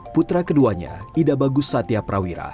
putra keduanya ida bagus satya prawira